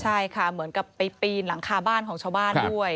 ใช่ค่ะเหมือนกับไปปีนหลังคาบ้านของชาวบ้านด้วย